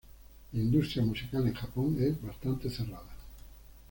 La industria musical en Japón es bastante cerrada.